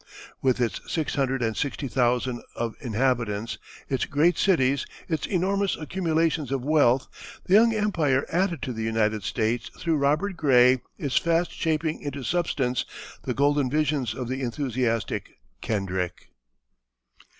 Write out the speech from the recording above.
With its six hundred and sixty thousand of inhabitants, its great cities, its enormous accumulations of wealth, the young empire added to the United States through Robert Gray is fast shaping into substance the golden visions of the enthusiastic Kendrick.